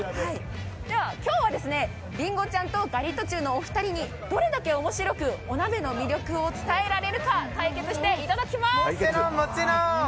今日はりんごちゃんとガリットチュウのお二人にどれだけ面白くお鍋の魅力を伝えられるか対決していただきます！